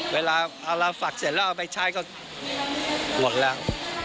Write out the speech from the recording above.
เวลาเราฝักเสร็จแล้วเอาไปใช้ก็หมดแล้ว